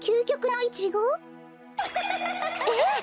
えっ？